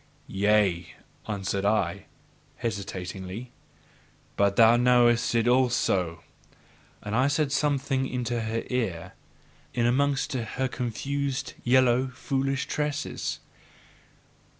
"Yea," answered I, hesitatingly, "but thou knowest it also" And I said something into her ear, in amongst her confused, yellow, foolish tresses.